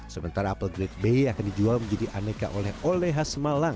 sementara apel grade b akan dijual menjadi aneka oleh olehas malang